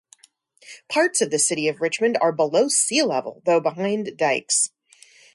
Parts of the City of Richmond are below sea-level, though behind dikes.